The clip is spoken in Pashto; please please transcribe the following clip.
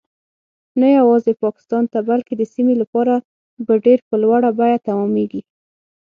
نه یوازې پاکستان ته بلکې د سیمې لپاره به ډیر په لوړه بیه تمامیږي